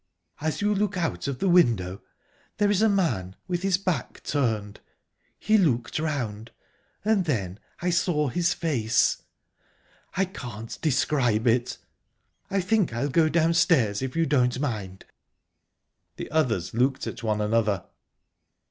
_ As you look out of the window there is a man, with his back turned. He looked round, and then I saw his face. I can't describe it ...I think I'll go downstairs, if you don't mind." The others looked at one another.